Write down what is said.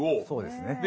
そうですね。